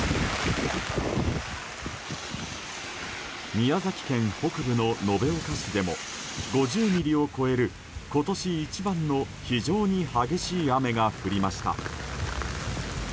宮崎県北部の延岡市でも５０ミリを超える今年一番の非常に激しい雨が降りました。